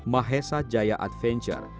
mahesa jaya adventure